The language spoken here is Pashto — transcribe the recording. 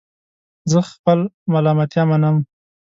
زه خپل ملامتیا منم